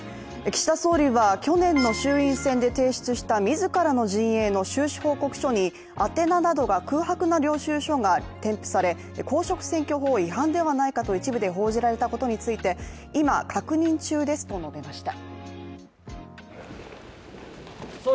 岸田総理は去年の衆院選で提出した自らの陣営の収支報告書に宛名などが空白の領収書が添付され公職選挙法違反ではないかと一部で報じられたことについて、「今、確認中です」と述べました。